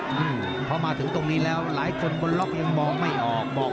เพราะมาถึงตรงนี้แล้วหลายคนบนล็อกยังมองไม่ออกบอก